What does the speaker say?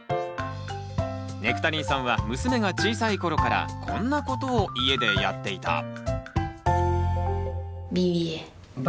ネクタリンさんは娘が小さい頃からこんなことを家でやっていた。